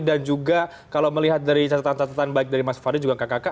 dan juga kalau melihat dari catatan catatan baik dari mas fadli juga kakak kakak